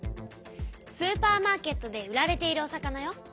スーパーマーケットで売られているお魚よ。